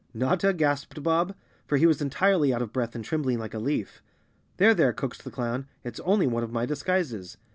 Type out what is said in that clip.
"Notta?" gasped Bob, for he was entirely out of breath and trembling like a leaf. "There! There!" coaxed the clown. "It's only one of my disguises."